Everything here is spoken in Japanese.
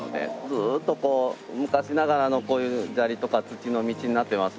ずっとこう昔ながらのこういう砂利とか土の道になってますので。